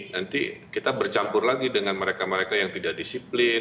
nanti kita bercampur lagi dengan mereka mereka yang tidak disiplin